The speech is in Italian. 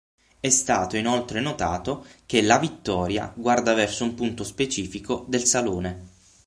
È stato inoltre notato che la "Vittoria" guarda verso un punto specifico del salone.